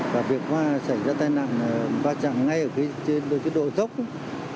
và việc xảy ra tai nạn là va chạm ngay ở cái độ dốc